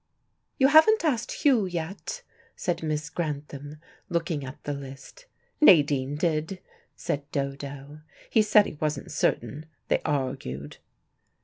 "You haven't asked Hugh yet," said Miss Grantham, looking at the list. "Nadine did," said Dodo. "He said he wasn't certain. They argued."